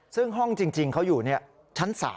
ซึ่งห้องจริงเขาอยู่เนี่ยชั้น๓นะ